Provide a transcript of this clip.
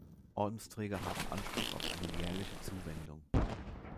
Ordensträger haben Anspruch auf eine jährliche Zuwendung.